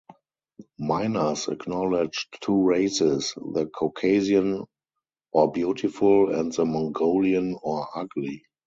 Meiners acknowledged two races: the Caucasian or beautiful, and the Mongolian or ugly.